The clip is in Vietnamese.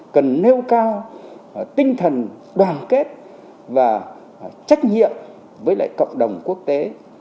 cần nêu cao tinh thần đoàn kết và trách nhiệm với lại cộng đồng quốc tế